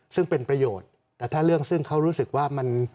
ซึ่งเป็นประโยชน์แต่ถ้าเรื่องซึ่งเขารู้สึกว่ามัน